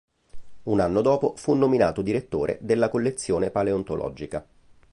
Un anno dopo, fu nominato direttore della collezione paleontologica.